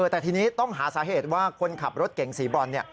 แต่ทีนี้ต้องหาสาเหตุว่าคนขับรถเก่งสีบรอน